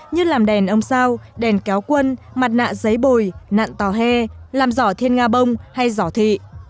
như làm đèn ông sao đèn kéo quân mặt nạ giấy bồi nạn tàu he làm giỏ thiên nga bông hay giỏ thị